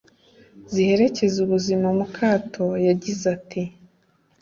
ziherekeza ubuzima mu kato yagize ati